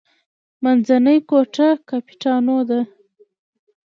منځنۍ ګوته کاپیټانو ده.